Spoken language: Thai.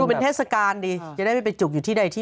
เป็นเทศกาลดีจะได้ไม่ไปจุกอยู่ที่ใดที่